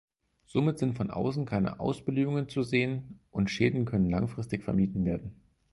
Somit sind von außen keine Ausblühungen zu sehen und Schäden können langfristig vermieden werden.